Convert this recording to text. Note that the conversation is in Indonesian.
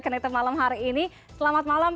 connected malam hari ini selamat malam